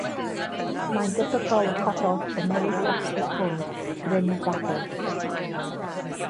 Mae'n debygol y cododd y newid drastig hwn gryn ddadl.